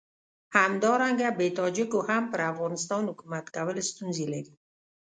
همدارنګه بې تاجکو هم پر افغانستان حکومت کول ستونزې لري.